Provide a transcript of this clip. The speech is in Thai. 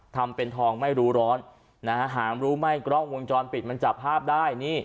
ทำเป็นทองไม่รู้ร้อนนะฮะหากรู้ไม่กล้องวงจรปิดมันจับภาพได้นี่